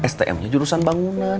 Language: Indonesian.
stm nya jurusan bangunan